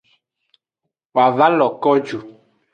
Woa va lo ko ju.